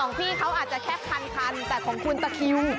พี่เขาอาจจะแค่พันคันแต่ของคุณตะคิว